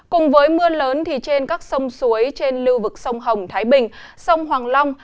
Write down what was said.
cùng với mưa lớn trên các sông suối trên lưu vực sông hồng thái bình sông hoàng long